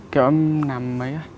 kẹo em làm mấy á